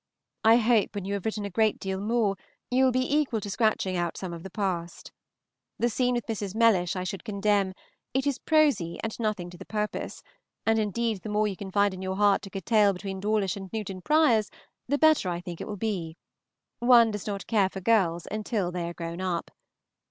I hope when you have written a great deal more, you will be equal to scratching out some of the past. The scene with Mrs. Mellish I should condemn; it is prosy and nothing to the purpose, and indeed the more you can find in your heart to curtail between Dawlish and Newton Priors, the better I think it will be, one does not care for girls until they are grown up.